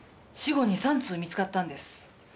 死後に３通見つかったんです。